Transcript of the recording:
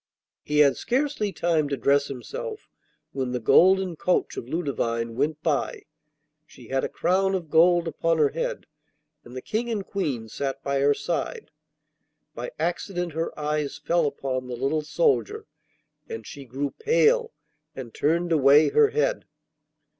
He had scarcely time to dress himself when the golden coach of Ludovine went by. She had a crown of gold upon her head, and the King and Queen sat by her side. By accident her eyes fell upon the little soldier, and she grew pale and turned away her head.